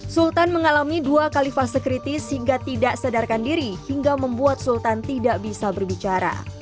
sultan mengalami dua kalifah sekritis hingga tidak sedarkan diri hingga membuat sultan tidak bisa berbicara